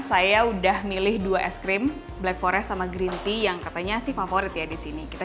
saya udah milih dua es krim black forest sama green tea yang katanya sih favorit ya di sini kita